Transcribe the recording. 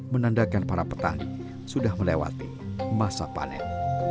menandakan para petani sudah melewati masa panen